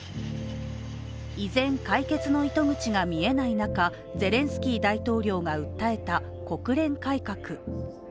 依然、解決の糸口が見えない中ゼレンスキー大統領が訴えた国連改革。